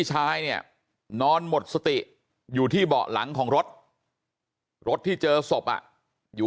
ชายเนี่ยนอนหมดสติอยู่ที่เบาะหลังของรถรถที่เจอศพอยู่